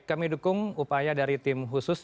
kami dukung upaya dari tim khusus